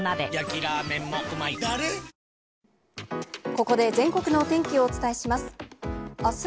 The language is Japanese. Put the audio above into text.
ここで全国のお天気をお伝えします。